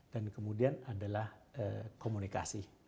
dan kemudian adalah komunikasi